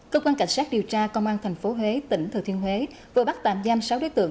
cơ quan cảnh sát điều tra công an tp huế tỉnh thừa thiên huế vừa bắt tạm giam sáu đối tượng